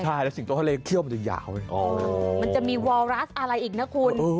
ใช่และสิงโตทะเลเคี่ยวจะยาวมันจะมีวอลลลามอะไรอีกนะคุณ